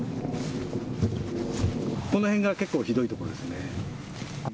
この辺が結構ひどいところです。